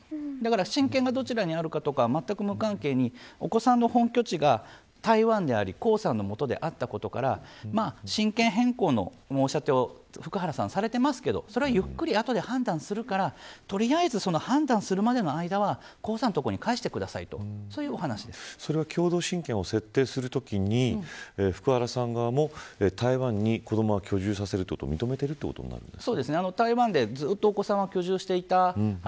親権がどちらにあるかとかまったく無関係にお子さんの本拠地が台湾であり、江さんのもとであったことから親権変更の申し立てを福原さんは、されていますけどそれはゆっくり会って判断するから、とりあえず判断するまでの間は江さんのところにそれは共同親権を設定するときに福原さん側も台湾に子どもは居住させることを認めているんですか。